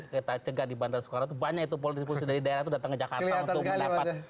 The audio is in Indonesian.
kita cegat di bandar soekarno itu banyak itu politik dari daerah itu datang ke jakarta untuk mendapat